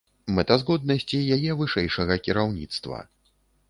Мэтазгоднасці яе вышэйшага кіраўніцтва.